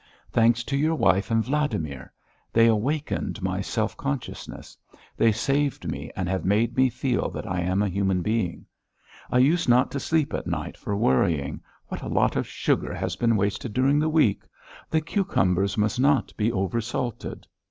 "Thanks to your wife and Vladimir. They awakened my self consciousness. They saved me and have made me feel that I am a human being. I used not to sleep at night for worrying: 'What a lot of sugar has been wasted during the week.' 'The cucumbers must not be oversalted!'